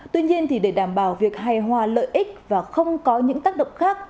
tuy nhiên để đảm bảo việc hài hòa lợi ích và không có những tác động khác